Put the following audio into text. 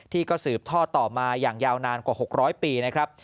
ที่ก็สืบท่อต่อมาอย่างยาวนานกว่า๖๐๐ปีนะครับ